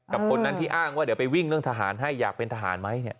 คนนั้นที่อ้างว่าเดี๋ยวไปวิ่งเรื่องทหารให้อยากเป็นทหารไหมเนี่ย